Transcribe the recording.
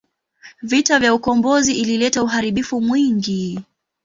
Vita ya ukombozi ilileta uharibifu mwingi.